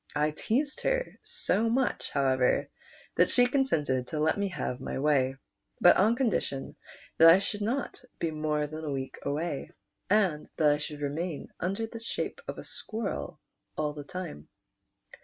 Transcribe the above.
I teased her so much, however, that she consented to let me have my way, but on condition that I should not be more than a week awa\ , and that I should remain under the shape of a squirrel all the time.